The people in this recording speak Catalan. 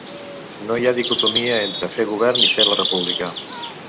No hi ha dicotomia entre fer govern i fer la república.